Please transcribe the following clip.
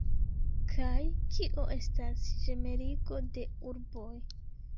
Kaj kio estas ĝemeligo de urboj?